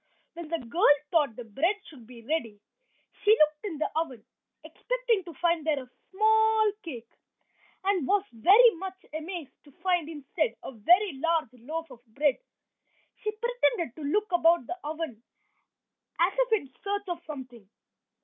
When the girl thought the bread should be ready she looked in the oven expecting to find there a small cake, and was very much amazed to find instead a very large loaf of bread. She pretended to look about the oven as if in search of something.